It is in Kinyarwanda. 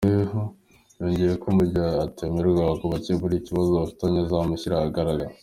Yongeye ko mu gihe atamwegera ngo bakemure ikibazo bafitanye azamushyira ahagaragara.